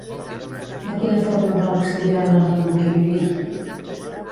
De quina forma va auxiliar la zona en què vivia?